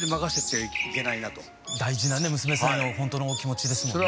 大事なね娘さんへのほんとのお気持ちですもんね。